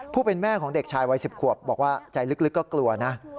เป็นแม่ของเด็กชายวัย๑๐ขวบบอกว่าใจลึกก็กลัวนะ